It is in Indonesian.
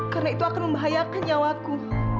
karena itu akan membahayakan nyawaku